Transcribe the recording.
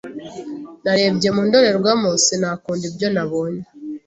Narebye mu ndorerwamo sinakunda ibyo nabonye.